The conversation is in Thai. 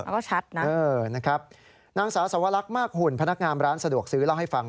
แล้วก็ชัดนะเออนะครับนางสาวสวรรคมากหุ่นพนักงานร้านสะดวกซื้อเล่าให้ฟัง